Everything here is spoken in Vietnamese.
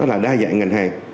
đó là đa dạng ngành hàng